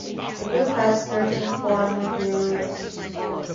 The group has thirteen foreign bureaus.